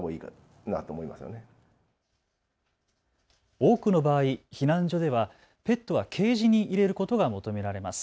多くの場合、避難所ではペットはケージに入れることが求められます。